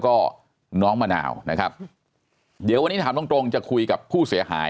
ก็น้องมะนาวนะครับเดี๋ยววันนี้ถามตรงตรงจะคุยกับผู้เสียหาย